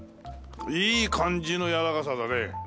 いい感じのやわらかさだね。